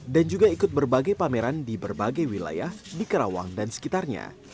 dan juga ikut berbagai pameran di berbagai wilayah di karawang dan sekitarnya